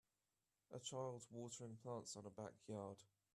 a child watering plants on a backyard